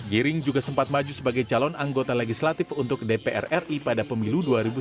giring juga sempat maju sebagai calon anggota legislatif untuk dpr ri pada pemilu dua ribu sembilan belas